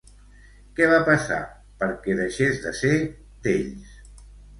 Què va passar perquè deixés de ser d'ells?